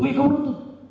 woi kau berutut